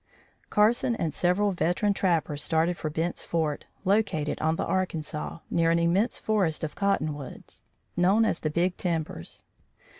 Carson and several veteran trappers started for Bent's Fort, located on the Arkansas, near an immense forest of cottonwoods, known as the Big Timbers.